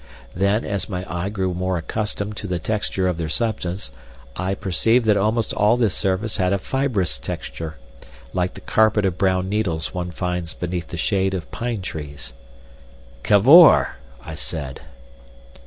Then as my eye grew more accustomed to the texture of their substance, I perceived that almost all this surface had a fibrous texture, like the carpet of brown needles one finds beneath the shade of pine trees. "Cavor!" I said.